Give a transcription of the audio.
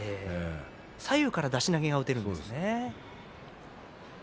左右から出し投げを打っているんですね。